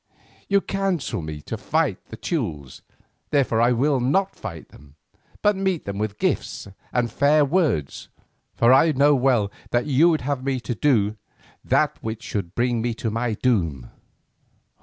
You counsel me to fight the Teules, therefore I will not fight them, but meet them with gifts and fair words, for I know well that you would have me to do that which should bring me to my doom."